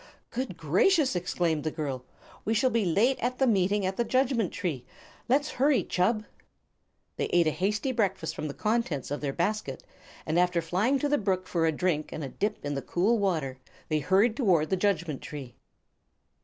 "Good gracious!" exclaimed the girl, "we shall be late at the meeting at the Judgment Tree. Let's hurry, Chub." They ate a hasty breakfast from the contents of their basket, and after flying to the brook for a drink and a dip in the cool water they hurried toward the Judgment Tree.